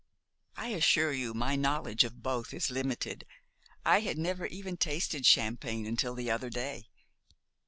"I assure you my knowledge of both is limited. I had never even tasted champagne until the other day."